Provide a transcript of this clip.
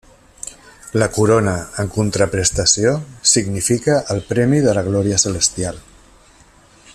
La corona, en contraprestació, significa el premi de la glòria celestial.